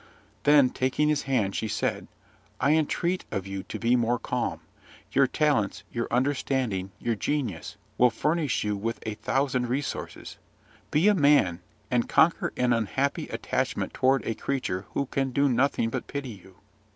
Then, taking his hand, she said, "I entreat of you to be more calm: your talents, your understanding, your genius, will furnish you with a thousand resources. Be a man, and conquer an unhappy attachment toward a creature who can do nothing but pity you."